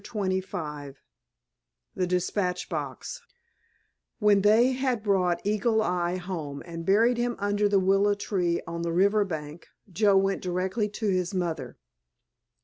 *CHAPTER XXV* *THE DISPATCH BOX* When they had brought Eagle Eye home and buried him under the willow trees on the river bank Joe went directly to his mother.